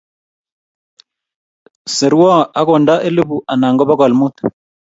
Serwo agonda elipu anan ko bogol mut